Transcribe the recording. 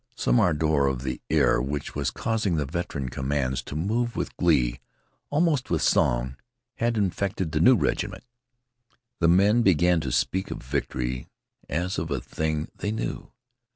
Some ardor of the air which was causing the veteran commands to move with glee almost with song had infected the new regiment. The men began to speak of victory as of a thing they knew.